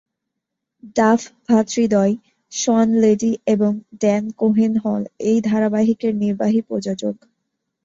Duff ভ্রাতৃদ্বয়, Shawn Levy এবং Dan Cohen হল এই ধারাবাহিকের নির্বাহী প্রযোজক।